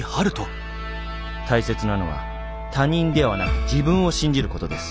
「大切なのは他人ではなく自分を信じることです。